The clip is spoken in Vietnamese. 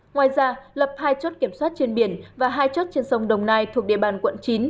ngoài ra lập hai chốt kiểm soát trên biển và hai chốt trên sông đồng nai thuộc địa bàn quận chín